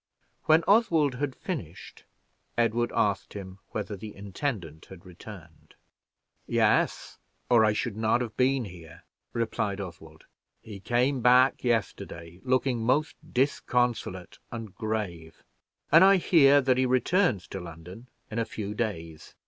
When Oswald had finished, Edward asked him whether the intendant had returned. "Yes, or I should not have been here," replied Oswald. "He came back yesterday, looking most disconsolate and grave, and I hear that he returns to London in a few days.